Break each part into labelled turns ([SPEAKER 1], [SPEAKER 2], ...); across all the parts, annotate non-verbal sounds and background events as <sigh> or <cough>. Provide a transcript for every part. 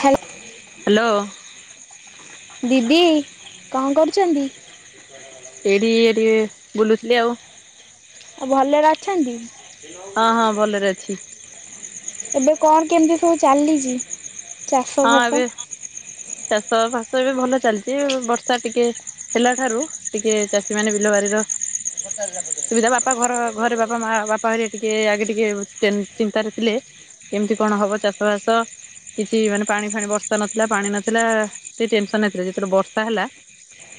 [SPEAKER 1] ହାଲ୍
[SPEAKER 2] ହ୍ୟାଲୋ
[SPEAKER 1] ଦିଦି କଣ କରୁଚନ୍ତି?
[SPEAKER 2] ଏଇଠି ଇଏ ଟିକେ ବୁଲୁଥିଲି ଆଉ।
[SPEAKER 1] ଆଉ ଭଲରେ ଅଛନ୍ତି?
[SPEAKER 2] ହଁ ହଁ ଭଲରେ ଅଛି।
[SPEAKER 1] ଏବେ କଣ କେମିତି ସବୁ ଚାଲିଚି?
[SPEAKER 2] ହଁ ଏବେ ଚାଷ ଫାସ ଏବେ ଭଲ ଚାଲିଚି ବର୍ଷା ଟିକେ ହେଲା ଠାରୁ ଟିକେ ଚାଷୀ ମାନେ ବିଲବାରି ର
[SPEAKER 1] ଗତଲ ବ <inaudible>
[SPEAKER 2] ସୁବିଧା ବାପା ଘର ଘରେ ବାପା ମା ବାପା ହେରିକା ଟିକେ ଆଗେ ଟିକେ ଟେନ ଚିନ୍ତାରେ ଥିଲେ। କେମତି କଣ ହବ ଚାଷ ବାସ? କି ମାନେ ପାଣି ଫାଣି ବର୍ଷା ନଥିଲା ପାଣି ନଥିଲା ଟିକେ ଟେନସନରେ ଥିଲେ ଯେତେବେଳେ ବର୍ଷା ହେଲା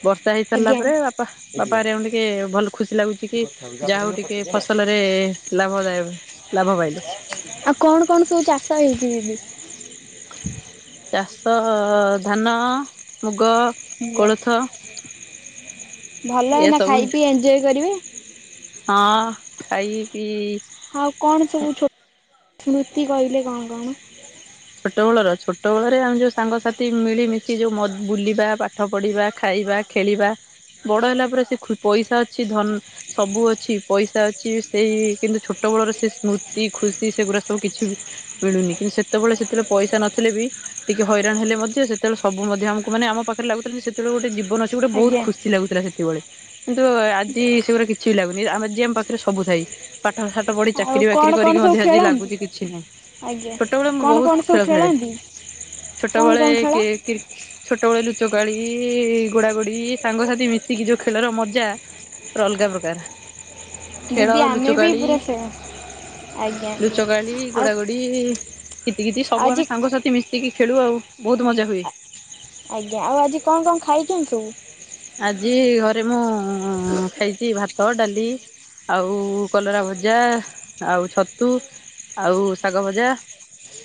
[SPEAKER 2] ବର୍ଷା ହେଇ ସାରିଲା
[SPEAKER 1] ଆଜ୍ଞା
[SPEAKER 2] ପରେ ବାପା ବାପା ହେରିକାଙ୍କୁ ଟିକେ ଭଲ ଖୁସି ଲାଗୁଚି କି ଯାହା ହଉ ଟିକେ ଫସଲରେ ଲାଭଦାୟକ ଲାଭ ପାଇଲେ।
[SPEAKER 1] ଆଉ କଣ କଣ ସବୁ ଚାଷ ହେଇଚି ଦିଦି?
[SPEAKER 2] ଚାଷ ଧାନ, ମୁଗ,
[SPEAKER 1] ଆଜ୍ଞା
[SPEAKER 2] କୋଳଥ।
[SPEAKER 1] ଭଲ ଏଇନା
[SPEAKER 2] ଏସବୁ
[SPEAKER 1] ଖାଇ ପିଇ ଏଞ୍ଜୟ କରିବେ।
[SPEAKER 2] ହଁ ଖାଇ ପିଇ
[SPEAKER 1] ଆଉ କଣ ସବୁ ଛୋ ସ୍ମୃତି କହିଲେ କଣ କଣ?
[SPEAKER 2] ଛୋଟବେଳର ଛୋଟବେଳରେ ଆମେ ଯୋଉ ସାଙ୍ଗସାଥି ମିଳିମିଶି ଯଉ ମ ବୁଲିବା ପାଠ ପଢ଼ିବା, ଖାଇବା, ଖେଳିବା ବଡ଼ ହେଲା ପରେ ସେ ଖୁ ପଇସା ଅଛି ଧନ ସବୁ ଅଛି। ପଇସା ଅଛି ସେଇ କିନ୍ତୁ ଛୋଟବେଳର ସେ ସ୍ମୃତି ଖୁସି ସେଗୁଡ଼ା ସବୁ କିଛି ବି ମିଳୁନି କିନ୍ତୁ ସେତେବେଳେ ସେଥେରେ ପଇସା ନଥିଲେ ବି ଟିକେ ହଇରାଣ ହେଲେ ମଧ୍ୟ ସେତେବେଳେ ସବୁ ମଧ୍ୟ ଆମକୁ ମାନେ ଆମ ପାଖରେ ଲାଗୁଥିଲା ଯେ ସେତେବେଳେ ଗୋଟେ ଜୀବନ ଅଛି। କିଛି ଗୋଟେ ବହୁତ
[SPEAKER 1] ଆଜ୍ଞା
[SPEAKER 2] ଖୁସି ଲାଗୁଥିଲା ସେତିକିବେଳେ। କିନ୍ତୁ ଆଜି ସେଗୁରା କି କିଛି ବି ଲାଗୁନି ଆମ ଆଜି ଆମ ପାଖରେ ସବୁ ଥାଇ ପାଠ ସାଠ ପଢ଼ି
[SPEAKER 1] ଆଉ
[SPEAKER 2] ଚାକିରି
[SPEAKER 1] କଣ
[SPEAKER 2] ବାକିରି
[SPEAKER 1] କଣ
[SPEAKER 2] କରିକି
[SPEAKER 1] ସବୁ
[SPEAKER 2] ମଧ୍ୟ ଆଜି
[SPEAKER 1] ଖେଳନ୍ତି?
[SPEAKER 2] ଲାଗୁଚି କିଛି ନାହିଁ।
[SPEAKER 1] ଆଜ୍ଞା
[SPEAKER 2] ଛୋଟବେଳେ ମୁଁ
[SPEAKER 1] କଣ
[SPEAKER 2] ବହୁତ
[SPEAKER 1] କଣ
[SPEAKER 2] ଖେଳ
[SPEAKER 1] ସବୁ
[SPEAKER 2] ଖେଳେ।
[SPEAKER 1] ଖେଳନ୍ତି? କଣ
[SPEAKER 2] ଛୋଟବେଳେ
[SPEAKER 1] କଣ
[SPEAKER 2] କି
[SPEAKER 1] ଖେଳ?
[SPEAKER 2] କି ଛୋଟବେଳେ ଲୁଚକାଳି, ଗୋଡାଗୋଡି, ସାଙ୍ଗସାଥି ମିଶିକି ଯୋଉ ଖେଳର ମଜା ପୁରା ଅଲଗା ପ୍ରକାର। ଖେଳ
[SPEAKER 1] ଦିଦି ଆମେ ବି
[SPEAKER 2] ଲୁଚକାଳି,
[SPEAKER 1] ପୁରା ଫ୍ୟାନ୍ ଆଜ୍ଞା
[SPEAKER 2] ଲୁଚକାଳି,
[SPEAKER 1] ଆଉ
[SPEAKER 2] ଗୋଡା ଗୋଡ଼ି। ଦି କିତି କିତି ସବୁ ଆମେ
[SPEAKER 1] ଆଜି
[SPEAKER 2] ସାଙ୍ଗସାଥି ମିଶିକି ଖେଳୁ ଆଉ ବହୁତ ମଜା ହୁଏ।
[SPEAKER 1] ଆଜ୍ଞା ଆଉ ଆଜି କଣ କଣ ଖାଇଚନ୍ତି?
[SPEAKER 2] ଆଜି ଘରେ ମୁଁ ଖାଇଚି ଭାତ, ଡାଲି। ଆଉ କଲରା ଭଜା ଆଉ ଛତୁ ଆଉ ଶାଗ ଭଜା।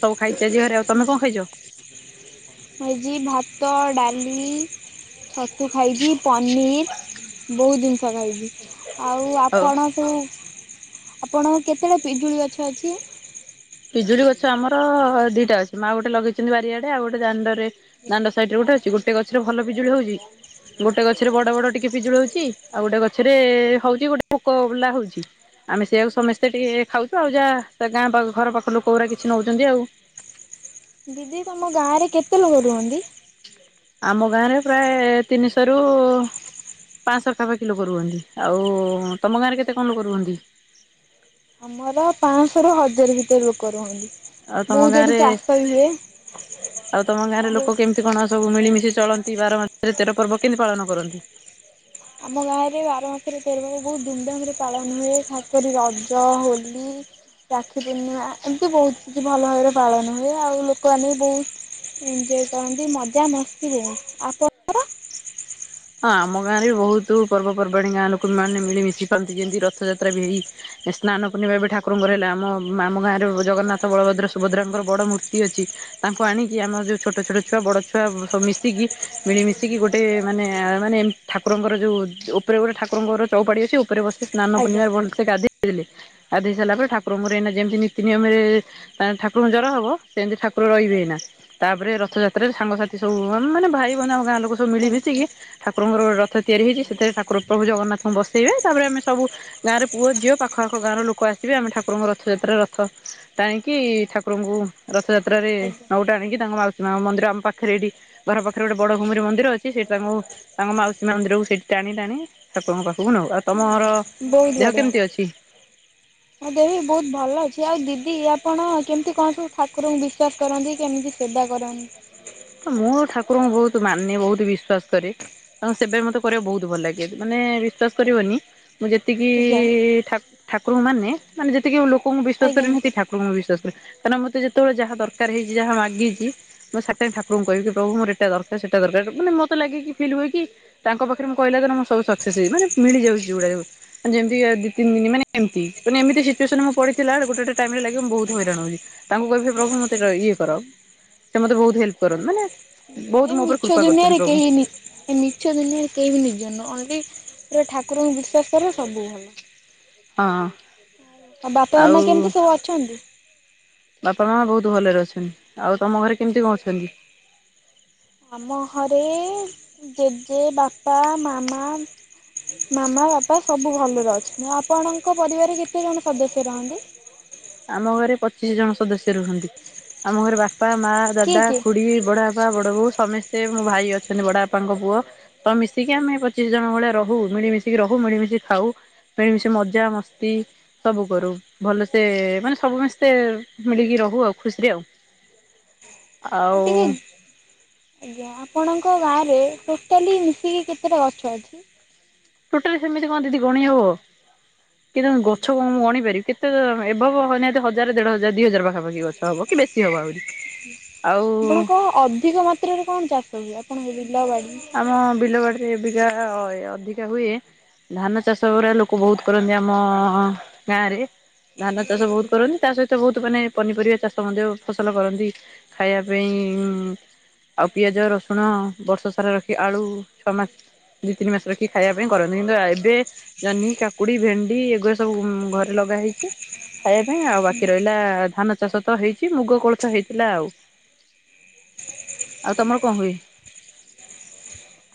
[SPEAKER 2] ସବୁଖାଇଚି ଆଜି ଘରେ। ଆଉ ତମେ କଣ ଖାଇଚ?
[SPEAKER 1] ମୁଁ ଆଜି ଭାତ ଡାଲି ଛତୁ ଖାଇଚି। ପନିର୍ ବହୁତ ଜିନିଷ ଖାଇଚି, ଆଉ ଆପଣ? ହୁଁ ଆପଣଙ୍କ କେତେଟା ପିଜୁଳି ଗଛ ଅଛି?
[SPEAKER 2] ପିଜୁଳି ଗଛ ଆମର ଦିଟା ଅଛି। ମାଆ ଗୋଟେ ଲଗେଇଚନ୍ତି ବାରିଆଡେ ଆଉ ଗୋଟେ ଦାଣ୍ଡରେ ଦାଣ୍ଡ ସାଇଡରେ ଗୋଟେ ଅଛି। ଗୋଟେ ଗଛରେ ଭଲ ପିଜୁଳି ହଉଚି। ଗୋଟେ ଗଛରେ ବଡ ବଡ ଟିକେ ପିଜୁଳି ହଉଚି। ଆଉ ଗୋଟେ ଗଛରେ ହଉଚି ଗୋଟେ ପୋକ ବାଲା ହଉଚି। ଆମେ ସେଇଆକୁ ସମେସ୍ତେ ଟିକେ ଟିକେ ଖାଉଛୁ ଆଉ ଯାହା ଗାଁଖ ଘର ପାଖ ଲୋକଗୁରା କିଛି ନଉଛନ୍ତି ଆଉ।
[SPEAKER 1] ଦିଦି ତମ ଗାଁରେ କେତେ ଲୋକ ରୁହନ୍ତି?
[SPEAKER 2] ଆମ ଗାଁରେ ପ୍ରାୟ ତିନିଶରୁ ପାଁଶ ପାଖାପାଖି ଲୋକ ରୁଅନ୍ତି ଆଉ ତୁମ ଗାଁରେ କେତେ କଣ ଲୋକ ରୁଅନ୍ତି?
[SPEAKER 1] ଆମର ପାଆଁଶ ରୁ ହଜାର ଭିତରେ ଲୋକ ରୁହନ୍ତି।
[SPEAKER 2] ଆଉ ତମ
[SPEAKER 1] ବହୁତ ଏଠି
[SPEAKER 2] ଗାଁରେ
[SPEAKER 1] ଚାଷ ବି ହୁଏ।
[SPEAKER 2] ଆଉ ତମ ଗାଁରେ
[SPEAKER 1] ବହୁ
[SPEAKER 2] ଲୋକ କେମିତି? କେମତି କଣ ସବୁ ମିଳିମିଶି ଚଳନ୍ତି ବାର ମାସରେ ତେର ପର୍ବ କେମତି ପାଳନ କରନ୍ତି?
[SPEAKER 1] ଆମ ଗାଁ ରେ ବାର ମାସରେ ତେର ପର୍ବ ବହୁତ ଧୁମଧାମ ରେ ପାଳନ ହୁଏ ଖାସ କରି ରଜ, ହୋଲି। ରାକ୍ଷୀ ପୂର୍ଣ୍ଣିମା ଏମିତି ବହୁତ କିଛି ଭଲ ଭାବରେ ପାଳନ ହୁଏ, ଆଉ ଲୋକମାନେ ବି ବହୁତ ଏଞ୍ଜୟ କରନ୍ତି ମଜା ମସ୍ତି ହୁଏ‌ ଆପଣ
[SPEAKER 2] ହଁ ଆମ ଗାଁରେ ବି ବହୁତ ପର୍ବପର୍ବାଣି ଗାଁ ଲୋକ ମାନେ ମିଳିମିଶି ପାରନ୍ତି ଯେମତି ରଥଯାତ୍ରା ବି ହେଇ ସ୍ନାନ ପୂର୍ଣିମା ଏବେ ଠାକୁରଙ୍କ ର ହେଲା, ଆମ ଆମ ଗାଁରେ ଜଗନ୍ନାଥ ବଳଭଦ୍ର ସୁଭଦ୍ରାଙ୍କର ବଡ଼ ମୂର୍ତ୍ତି ଅଛି। ତାଙ୍କୁ ଆଣିକି ଆମର ଯୋଉ ଛୋଟ ଛୋଟ ଛୁଆ ବଡ ଛୁଆ ସବୁ ମିଶିକି ମିଳିମିଶିକି ଗୋଟେ ମାନେ ଏ ମାନେ ଏମ୍ ଠାକୁରଙ୍କର ଯୋଉ ଉପରେ ଗୋଟେ ଠାକୁରଙ୍କର ଚଉପାଢି ଅଛି ଉପରେ ବସି ସ୍ନାନ
[SPEAKER 1] ଆଜ୍ଞା।
[SPEAKER 2] ପୂର୍ଣ୍ଣିମା ରେ ଭଲ ସେ ଗାଧିେଇ ଦେଲେ ଗାଧିେଇ ସାରିଲା ପରେ ଠାକୁରଙ୍କ ର ଅଇନା ଯେମିତି ନୀତି ନିୟମରେ ତାଙ୍କ୍ ଠାକୁରଙ୍କୁ ଜର ହବ ସେମତି ଠାକୁର ରହିବେ ଏଇନା। ତାପରେ ରଥଯାତ୍ରାରେ ସାଙ୍ଗସାଥି ସବୁ ମାନେ ଭାଇ ବନ୍ଧୁ ଆମ ଗାଁ ଲୋକ ସବୁ ମିଳି
[SPEAKER 1] ଆଜ୍ଞା
[SPEAKER 2] ମିିଶିକି। ଠାକୁରଙ୍କର ଗୋଟେ ରଥ ତିଆରି ହୋଇଛି ସେଥିରେ ଠାକୁର ପ୍ରଭୁ ଜଗନ୍ନାଥଙ୍କୁ ବସେଇବେ ତାପରେ ଆମେ ସବୁ। ଗାଁରେ ପୁଅ ଝିଅ ପାଖଆଖ ଗାଁର ଲୋକ ଆସିବେ ଆମେ ଠାକୁରଙ୍କ ରଥଯାତ୍ରାରେ ରଥ ଟାଣିକି ଠାକୁରଙ୍କୁ ରଥଯାତ୍ରା ରେ
[SPEAKER 1] ଆଜ୍ଞା
[SPEAKER 2] ନବୁ ଟାଣିକି ତାଙ୍କ ମାଉସୀ ମା ମନ୍ଦିର ଆମ ପାଖରେ ଏଇଠି ଘର ପାଖରେ ଗୋଟେ ବଡ଼ ଘୂମିର ମନ୍ଦିର ଅଛି ସେଇଠି ତାଙ୍କୁ। ତାଙ୍କ ମାଉସୀ ମା ମନ୍ଦିରକୁ ସେଇଠି ଟାଣି ଟାଣି ଠାକୁରଙ୍କ ପାଖକୁ ନେଉ, ଆଉ ତମର ଦେହ କେମିତି ଅଛି?
[SPEAKER 1] ମୋ ଦେହ ବି ବହୁତ ଭଲ ଅଛି ଆଉ ଦିଦି ଆପଣ କେମିତି କଣ ସବୁ ଠାକୁରଙ୍କୁ ବିଶ୍ଵାସ କରନ୍ତି କେମିତି ସେବା କରନ୍ତି।
[SPEAKER 2] ତ ମୁଁ ଠାକୁରଙ୍କୁ ବହୁତ ମାନେ ବହୁତ ବିଶ୍ଵାସ କରେ। ତାଙ୍କ ସେବା ମତେ କରିବାକୁ ବହୁତ ଭଲ ଲାଗେ ମାନେ ବିଶ୍ୱାସ କରିବନି। ମୁଁ ଯେତିକି
[SPEAKER 1] ଆଜ୍ଞା
[SPEAKER 2] ଠାକ ଠାକୁରଙ୍କୁ ମାନେ। ମାନେ ଯେତିକି ଲୋକଙ୍କୁ ବିଶ୍ୱାସ
[SPEAKER 1] ଆଜ୍ଞା
[SPEAKER 2] କରିବିନି ମୁଁ
[SPEAKER 1] ଆଜ୍ଞା।
[SPEAKER 2] ସେତିକି ଠାକୁରଙ୍କୁ ମୁଁ ବିଶ୍ୱାସ କରେ। କାରଣ ମତେ ଯେତେବେଳେ ଯାହା ଦରକାର ହେଇଛି ଯାହା ମାଗିଛି ମୋତେ ସାତେ ବେଳେ ଠାକ ଠାକୁରଙ୍କୁ କହିବି କି ପ୍ରଭୁ ମୋ ଏଟା ଦରକାର ସେଟା ଦରକାର ମାନେ ମତେ ଲାଗେ କି ଫିଲ୍ ହୁଏ କି ତାଙ୍କ ପାଖରେ ମୁଁ କହିଲା ଦିନୁ ମୁ ସବୁ ସକ୍ସେସ୍ ହେଇ ମାନ ମିଳିଯାଉଛି ଯୋଉଗୁଡା ‌ସବୁ। ଯେମିତି ଇଏ ଦି ତିନି ଦିନ ମାନେ ଏମତି ମାନେ ଏମତି ସିଚୁଏସନ ମୁଁ ପଡିଥିଲା ଗୋଟେ ଟାଇମରେ ଲାଗିବ ମୁଁ ବହୁତ ହଇରାଣ ହୁଉଛି। ତାଙ୍କୁ କହିବି ସେ ପ୍ରଭୁ ମତେ ଏଇଟା ଇଏ କର ସେ ମତେ ବହୁତ ହେଲ୍ପ କରନ୍ତି ମାନେ ବହୁତ
[SPEAKER 1] ଏ
[SPEAKER 2] ମୋ ଉପରେ
[SPEAKER 1] ମିଛ
[SPEAKER 2] କୃପା କରିଛନ୍ତି
[SPEAKER 1] ଦୁନିଆରେ
[SPEAKER 2] ପ୍ରଭୁ
[SPEAKER 1] କେହି ନି ଏ ମିଛ ଦୁନିଆରେ, କେହି ନିଜର ନୁହଁ ଓନ୍ଲି, ପୁରା ଠାକୁରଙ୍କୁ ବିଶ୍ୱାସ କରିବ ସବୁ ଭଲ,।
[SPEAKER 2] ହଁ,।
[SPEAKER 1] ଆଉ ବାପା, ମାମା କେମିତି ସବୁ ଅଛନ୍ତି?
[SPEAKER 2] ବାପା, ମା ବହୁତ ଭଲରେ ଅଛନ୍ତି। ଆଉ ତମ ଘରେ କେମିତି କଣ ଅଛନ୍ତି?
[SPEAKER 1] ଆମ ଘରେ ଜେଜେ, ବାପା, ମାମା। ମାମା, ବାପା, ସବୁ ଭଲରେ ଅଛନ୍ତି। ଆପଣଙ୍କ ପରିବାର ରେ କେତେ ଜଣ ସଦସ୍ୟ ରହନ୍ତି?
[SPEAKER 2] ଆମ ଘରେ ପଚିଶ ଜଣ ସଦସ୍ୟ ରୁହନ୍ତି। ଆମ ଘରେ ବାପା, ମାଆ,
[SPEAKER 1] କିଏ
[SPEAKER 2] ଦାଦା,
[SPEAKER 1] କିଏ
[SPEAKER 2] ଖୁଡ଼ି, ବଡ଼ା ବା ବାପ, ବଡ଼ବୋଉ, ସମସ୍ତେ ମୋ ଭାଇ ଅଛନ୍ତି। ବଡ ବାପାଙ୍କ ପୁଅ। ତ, ମିଶିକି ଆମେ ପଚିଶ ଜଣ ଭଳିଆ ରହୁ। ମିଳିମିଶିକି ରହୁ, ମିଳିମିଶିକି ଖାଉ। ମିଳି ମିଶି ମଜା, ମସ୍ତି ସବୁ କରୁ ଭଲ ସେ ମାନେ, ସବୁ ମିସ୍ତେ ମିଳିକି ରହୁ ଆଉ ଖୁସିରେ ଆଉ
[SPEAKER 1] ଆଉ
[SPEAKER 2] ଆଉ‌।
[SPEAKER 1] ଟିକେ ଆଜ୍ଞା। ଆପଣଙ୍କ ଗାଁରେ, ଟୋଟାଲି ମିଶିକି କେତେଟା ଗଛ ଅଛି?
[SPEAKER 2] ଟୋଟାଲି, ସେମିତି କଣ ଦିଦି ଗଣି ହବ। କେଜାଣି ଗଛ କଣ ମୁଁ ଗଣିପାରିବି। କେତେ ଏଭବ ନିହାତି ହଜାର, ଦେଢ ହଜାର, ଦି ହଜାର, ପାଖାପାଖି ଗଛ ହବ। କି, ବେଶି ହେବ ଆହୁରି। ଆଉ
[SPEAKER 1] ଆପଣଙ୍କ ଅଧିକ ମାତ୍ରାରେ କଣ ଚାଷ ହୁଏ। ଆପଣଙ୍କ ବିଲ, ବାଡି,
[SPEAKER 2] ଆମ, ବିଲ ବାଡିରେ ଅବିକା ଏ ଅଧିକା ହୁଏ। ଧାନ ଚାଷ ଗୁଡା ଲୋକ ବହୁତ କରନ୍ତି, ଆମ ଗାଁ ରେ। ଧାନ ଚାଷ ବହୁତ କରନ୍ତି, ତା ସହିତ ବହୁତ ମାନେ ପନିପରିବା ଚାଷ ମଧ୍ୟ ଫସଲ କରନ୍ତି। ଖାଇବା ପାଇଁ, ଆଉ ପିଆଜ, ରସୁଣ, ବର୍ଷ ସାରା ରଖି ଆଳୁ, ଛଅ ମାସ ଦିଇ, ତିନି ମାସ ରଖିକି ଖାଇବା ପାଇଁ କରନ୍ତି। କିନ୍ତୁ ଏବେ ଜହ୍ନି, କାକୁଡି, ଭେଣ୍ଡି, ଏଗୁଡା ସବୁ ଘରେ ଲଗା ହେଇଚି। ଖାଇବା ପାଇଁ। ଆଉ ବାକି ରହିଲା, ଧାନ ଚାଷ ତ ହେଇଛି। ମୁଗ, କୋଳଥ ହେଇଥିଲା ଆଉ ଆଉ ତମର କଣ ହୁଏ?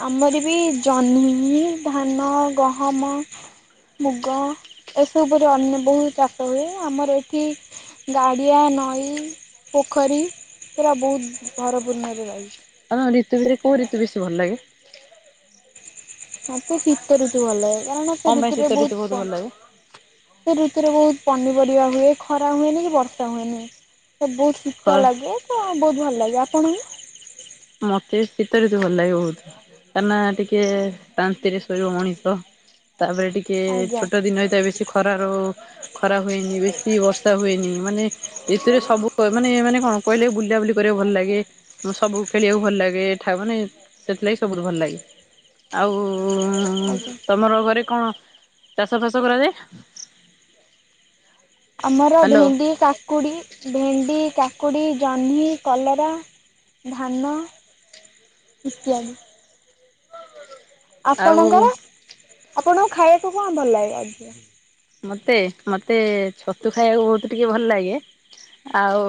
[SPEAKER 1] ଆମର ବି, ଜହ୍ନି, ଧାନ, ଗହମ, ମୁଗ, ଏସବୁରେ ଅନ୍ୟ ବହୁ ଚାଷ ହୁଏ। ଆମର ଏଠି ଗାଡ଼ିଆ, ନଈ, ପୋଖରୀ, ପୁରା ବହୁତ ଭରପୂର୍ଣ୍ଣରେ ରହିଚି।
[SPEAKER 2] ତୁମ ଋତୁ ଭିତରୁ କୋଉ ଋତୁ ବେଶୀ ଭଲ ଲାଗେ?
[SPEAKER 1] ମତେ ଶୀତ ଋତୁ ଭଲ ଲାଗେ। କାରଣ, ସେ
[SPEAKER 2] କଣ ପାଇଁ ଶୀତ
[SPEAKER 1] ଋତୁରେ
[SPEAKER 2] ଋତୁ
[SPEAKER 1] ବହୁତ ପ
[SPEAKER 2] ଭଲ ଲାଗେ?
[SPEAKER 1] ସେ ଋତୁରେ, ବହୁତ ପନିପରିବା ହୁଏ। ଖରା ହୁଏନି, କି ବର୍ଷା ହୁଏନି। ସେ ବହୁତ
[SPEAKER 2] ଖ
[SPEAKER 1] ଶୀତ ଲାଗେ ତ ବହୁତ ଭଲ ଲାଗେ। ଆପଣଙ୍କୁ?
[SPEAKER 2] ମତେ ଶୀତ ଋତୁ ଭଲ ଲାଗେ ବହୁତ୍ କାହିଁକି ନା ଟିକେ ଶାନ୍ତିରେ ଶୋଇବ ମଣିଷ। ତାପରେ, ଟିକେ
[SPEAKER 1] ଆଜ୍ଞା
[SPEAKER 2] ଛୋଟ ଦିନ ହେଇଥାଏ, ବେଶୀ ଖରାରୁ ଖରା ହୁଏନି, ବେଶୀ ବର୍ଷା ହୁଏନି, ମାନେ ଏଥିରେ ସବୁ, ମାନେ, ମାନେ କଣ କହିଲେ, ବୁଲା ବୁଲି କରିବାକୁ ଭଲ ଲାଗେ। ସବୁ ଖେଳିବାକୁ ଭଲ ଲାଗେ ଠାକୁ ମାନେ ସେଥିଲାଗି ସବୁଠୁ ଭଲ ଲାଗେ। ଆଉ ହୁଁ
[SPEAKER 1] ଆଜ୍ଞା।
[SPEAKER 2] ତମର ଘରେ କଣ ଚାଷ, ଫାସ କରାଯାଏ?
[SPEAKER 1] ଆମର
[SPEAKER 2] ହ୍ୟାଲୋ
[SPEAKER 1] ଭେଣ୍ଡି, କା କାକୁଡ଼ି, ଭେଣ୍ଡି, କାକୁଡ଼ି, ଜହ୍ନି, କଲରା, ଧାନ ଇତ୍ୟାଦି।
[SPEAKER 2] ଆଉ
[SPEAKER 1] ଆପଣଙ୍କର, ଆପଣଙ୍କୁ ଖାଇବାକୁ କଣ ଭଲ ଲାଗେ?
[SPEAKER 2] ମତେ,। ମତେ ଛତୁ ଖାଇବାକୁ ବହୁତ ଟିକେ ଭଲ ଲାଗେ। ଆଉ।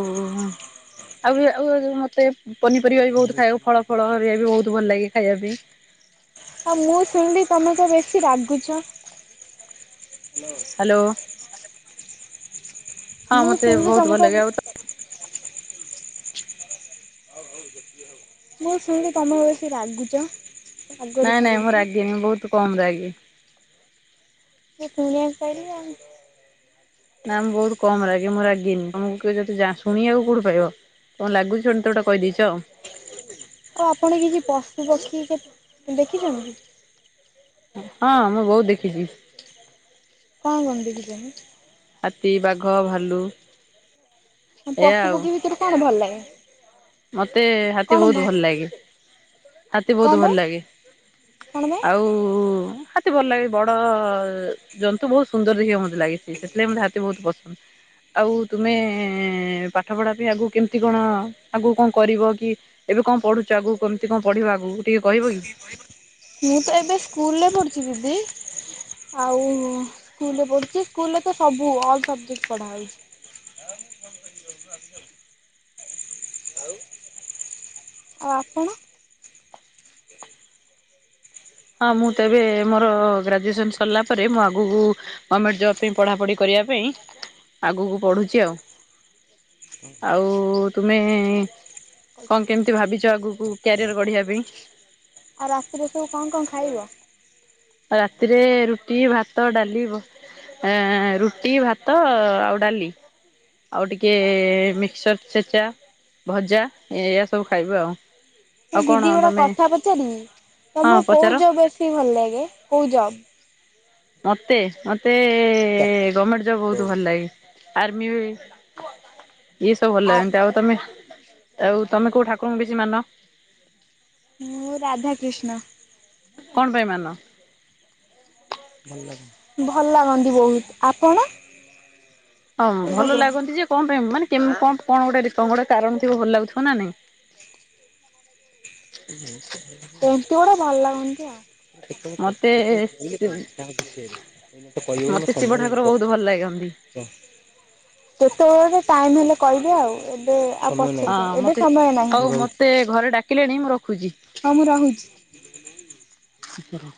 [SPEAKER 2] ଆଉ, ଆଉ, ମତେ ପନିପରିବା ବି ବହୁତ ଖାଇବାକୁ, ଫଳ, ଫଳ ହରିକା ବି ବହୁତ ଭଲ ଲାଗେ ଖାଇବା ପାଇଁ
[SPEAKER 1] ଆଉ, ମୁଁ ଶୁଣିଲି ତମେ ତ ବେଶୀ ରାଗୁଚ।
[SPEAKER 2] ହ୍ୟାଲୋ। ହଁ,
[SPEAKER 1] ମୁଁ
[SPEAKER 2] ମତେ
[SPEAKER 1] ଶୁଣିଲି
[SPEAKER 2] ବହୁତ
[SPEAKER 1] ତମେ
[SPEAKER 2] ଭଲ
[SPEAKER 1] ତ
[SPEAKER 2] ଲାଗେ।
[SPEAKER 1] ମୁଁ ଶୁଣିଲି ତମେ ବେଶି ରାଗୁଚ?
[SPEAKER 2] ନାଇଁ, ନାଇଁ, ମୁଁ ରାଗିନି। ମୁଁ ବହୁତ୍ କମ ରାଗେ।
[SPEAKER 1] ସେ ସୁଣିଆକୁ ପାଇଲି ଆଉ
[SPEAKER 2] ନା ମୁଁ ବହୁତ କମ ରାଗେ ମୁଁ ରାଗେନି ତମକୁ ଯଦି ଶୁଣିବାକୁ କୋଉଠି ପାଇବ? କଣ ଲାଗୁଚି ତୋଟେ କହିଦେଇଛ?
[SPEAKER 1] ଆଉ ଆପଣ କିଛି ପଶୁ ପକ୍ଷୀକି ଦେଖିଛନ୍ତି?
[SPEAKER 2] ହଁ ମୁଁ ବହୁତ ଦେଖିଛି।
[SPEAKER 1] କଣ କଣ ଦେଖିଛ ଯେ
[SPEAKER 2] ହାତୀ ବାଘ ଭାଲୁ। ଏଇଆ
[SPEAKER 1] ପଶୁ
[SPEAKER 2] ଆଉ
[SPEAKER 1] ପକ୍ଷୀ ଭିତରୁ କଣ ଭଲ ଲାଗେ?
[SPEAKER 2] ମତେ ହାତୀ
[SPEAKER 1] କଣ
[SPEAKER 2] ବହୁତ ଭଲ ଲାଗେ ହାତୀ
[SPEAKER 1] କଣ
[SPEAKER 2] ବହୁତ
[SPEAKER 1] ପାଇଁ
[SPEAKER 2] ଭଲ ଲାଗେ?
[SPEAKER 1] କଣ ପାଇଁ?
[SPEAKER 2] ଆଉ ହା ଭଲ ଲାଗେ ବଡ ଜନ୍ତୁ ବହୁତ ସୁନ୍ଦର ଦେଖିବ ମୋତେ ଲାଗିଛି ସେଥିଲାଗି ମୋତେ ହାତୀ ବହୁତ ପସ ଆଉ ତୁମେ ପାଠ ପଢା ପାଇଁ ଆଗକୁ କେମିତି କଣ? ଆଗକୁ କଣ କରିବ କି ଏବେ କଣ ପଢୁଛ ଆଗକୁ କେମିତି କଣ ପଢିବା ଆଗକୁ ଟିକେ କହିବ କି?
[SPEAKER 1] ମୁଁ ତ ଏବେ ସ୍କୁଲରେ ପଢ଼ୁଛି ଦିଦି ଆଉ ସ୍କୁଲରେ ପଢୁଛି ସ୍କୁଲରେ ତ ସବୁ ଅଲ ସବଜେକ୍ଟ ପଢା ହଉଛି ଆଉ ଆପଣ?
[SPEAKER 2] ହଁ ମୁଁ ତେବେ ମୋର ଗ୍ରାଜୁଏସନ ସରିଲା ପରେ ମୁଁ ଆଗକୁ ଗମେଣ୍ଟ ଜବ ପାଇଁ ପଢାପଢି କରିବା ପାଇଁ ଆଗକୁ ପଢୁଛି ଆଉ ଆଉ ତୁମେ କଣ କେମିତି ଭାବିଛ ଆଗକୁ କ୍ୟାରିଅର ଗଢିବା ପାଇଁ
[SPEAKER 1] ଆଉ ରାତିରେ ସବୁ କଣ କଣ ଖାଇବ?
[SPEAKER 2] ଆଉ ରାତିରେ ରୁଟି, ଭାତ, ଡାଲି ବ ଏଁ ରୁଟି ଭାତ ଆଉ ଡାଲି ଆଉ ଟିକେ ମିକ୍ସଚର ଛେଚା। ଭଜା ଏଇୟଆ ସବୁ ଖାଇବି ଆଉ।
[SPEAKER 1] ମୁଁ
[SPEAKER 2] ଆଉ କଣ
[SPEAKER 1] ଦିଦି ଗୋଟେ
[SPEAKER 2] ତମେ
[SPEAKER 1] କଥା ପଚାରିବି
[SPEAKER 2] ହଁ
[SPEAKER 1] ତମକୁ
[SPEAKER 2] ପଚାର
[SPEAKER 1] କୋଉ ଜବ ବେଶୀ ଭଲ ଲାଗେ କୋଉ ଜବ?
[SPEAKER 2] ମତେ ମତେ ଗମେଣ୍ଟ ଜବ୍ ବହୁତ ଭଲ ଲାଗେ। ଆର୍ମି ଏଇ ସବ ଭଲ
[SPEAKER 1] ଆ
[SPEAKER 2] ଲାଗନ୍ତି। ଆଉ ତମେ ଆଉ ତମେ କୋଉ ଠାକୁରଙ୍କୁ ବେଶୀ ମାନ?
[SPEAKER 1] ମୁଁ ରାଧାକ୍ରିଷ୍ଣ।
[SPEAKER 2] କଣ ପାଇଁ ମାନ?
[SPEAKER 1] ଭଲ ଲାଗନ୍ତି ବହୁତ। ଆଉ ଆପଣ?
[SPEAKER 2] ହଁ
[SPEAKER 1] କୋଉ
[SPEAKER 2] ଭଲ
[SPEAKER 1] ଠାକୁରଙ୍କୁ
[SPEAKER 2] ଲାଗନ୍ତି ଯେ କଣ ପାଇଁ ମାନେ କେମ କଣ କଣ ଗୋଟେ କଣ ଗୋଟେ କାରଣ ଥିବ ଭଲ ଲାଗୁଥିବ ନା ନାଇଁ?
[SPEAKER 1] ଏମିତି ଗୋଟେ ଭଲ ଲାଗନ୍ତି ଆଉ। ସେ ସବୁ କଣ
[SPEAKER 2] ମତେ
[SPEAKER 1] କେତେବେଳେ କହିଲେ କହିବି ତାଙ୍କ ବିଷୟ ରେ। ଏବେ କହି ହବନି
[SPEAKER 2] ମତେ
[SPEAKER 1] ମୋର ସମୟ
[SPEAKER 2] ଶିବ
[SPEAKER 1] ନାହିଁ
[SPEAKER 2] ଠାକୁର ବହୁତ ଭଲ ଲାଗନ୍ତି।
[SPEAKER 1] କୁହ। କେତେବେଳେ ଗୋଟେ ଟାଇମ ହେଲେ କହିବେ ଆଉ ଏବେ ଆ ପଛ ରେ କହିବି ଏବେ ସମୟ ନାହିଁ।
[SPEAKER 2] ସେ ଘରେ ଡା କିଲେଣି ମୁଁ ରଖୁଚି?
[SPEAKER 1] ହଁ ମୁଁ ରହୁଛି।
[SPEAKER 2] ସିକ୍ ରଖ।